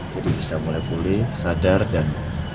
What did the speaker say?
jadi bisa mulai pulih sadar dan